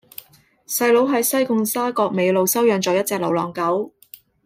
細佬喺西貢沙角尾路收養左一隻流浪狗